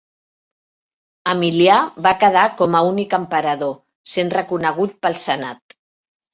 Emilià va quedar com a únic Emperador, sent reconegut pel Senat.